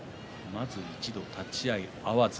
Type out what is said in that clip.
まず一度立ち合い、合わず。